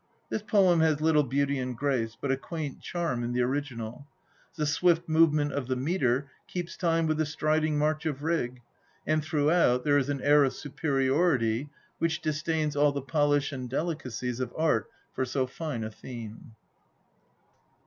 This poem has little beauty and grace, but a quaint charm in the original. The swift movement of the metre keeps time with the striding march of Rig, and throughout there is an air of superiority which disdains all the polish and delicacies of art for so fine a theme.